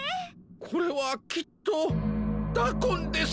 これはきっとダコンです！